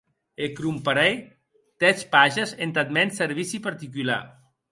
E comprarè dètz pages entath mèn servici particular.